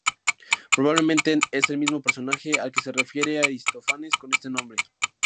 Probablemente es el mismo personaje al que se refiere Aristófanes con este nombre.